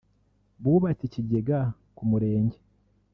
bubatse ikigega ku murenge